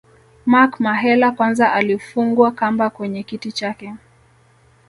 Mark Mahela kwanza alifungwa kamba kwenye kiti chake